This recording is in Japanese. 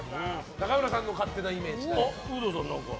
中村さんの勝手なイメージありますか？